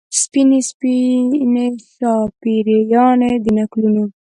سپینې، سپینې شاپیريانې د نکلونو